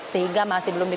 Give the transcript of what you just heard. sehingga masih belum di